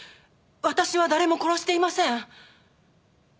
私は誰も殺していません。